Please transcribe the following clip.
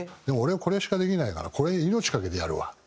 でも俺はこれしかできないからこれに命懸けてやるわ」。